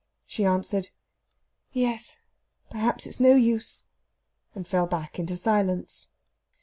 She answered, "Yes, perhaps it's no use," and fell back into silence.